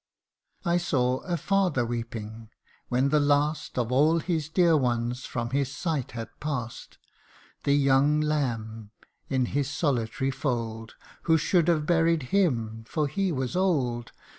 " I saw a father weeping, when the last Of all his dear ones from his sight had past The young lamb, in his solitary fold, Who should have buried him, for he was old.